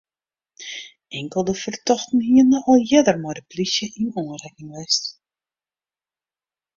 Inkelde fertochten hiene al earder mei de plysje yn oanrekking west.